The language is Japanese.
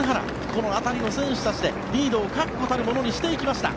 この辺りの選手たちでリードを確固たるものにしていきました。